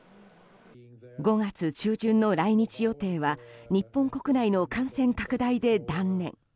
５月中旬の来日予定は日本国内の感染拡大で断念。